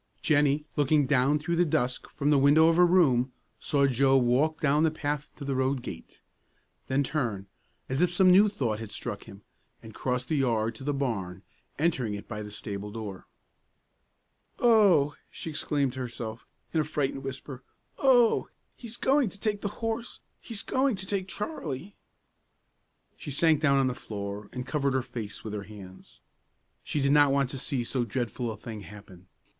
Jennie, looking down through the dusk from the window of her room, saw Joe walk down the path to the road gate, then turn, as if some new thought had struck him, and cross the yard to the barn, entering it by the stable door. "Oh!" exclaimed the child to herself, in a frightened whisper, "oh! he's going to take the horse; he's going to take Charlie!" She sank down on the floor, and covered her face with her hands. She did not want to see so dreadful a thing happen.